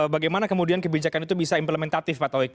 bagaimana kemudian kebijakan itu bisa implementatif pak tauhid